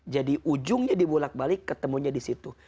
jadi ujungnya dibulak balik ketemunya disitu